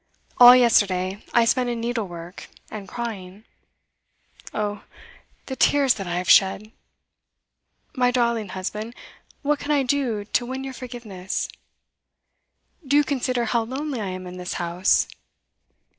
All yesterday I spent in needlework and crying. Oh, the tears that I have shed! My darling husband, what can I do to win your forgiveness? Do consider how lonely I am in this house.